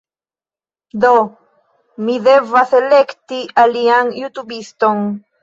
Do, mi devas elekti alian jutubiston